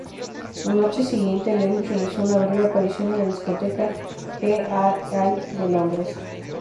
La noche siguiente, Lewis realizó una breve aparición en la discoteca G-A-Y de Londres.